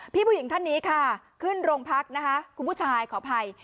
ผู้หญิงท่านนี้ค่ะขึ้นโรงพักนะคะคุณผู้ชายขออภัย